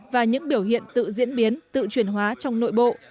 và những biểu hiện tự diễn biến tự truyền hóa trong nội bộ